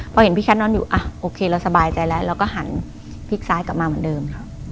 พอเห็นพี่ชัดนอนอยู่โอเคเราสบายใจแล้วเราก็หันพลิกซ้ายกลับมาเหมือนเดิม